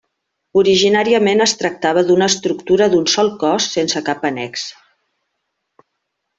Originàriament es tractava d'una estructura d'un sol cos sense cap annexa.